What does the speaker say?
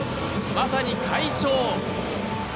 まさに快勝。